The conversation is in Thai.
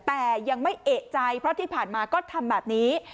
แต่ยังไม่เอกใจเพราะที่ผ่านมาก็ทำแบบนี้